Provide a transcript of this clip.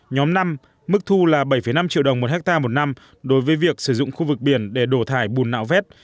nhóm năm mức thu là bảy năm triệu đồng một hectare một năm đối với việc sử dụng khu vực biển để đổ thải bùn nạo vét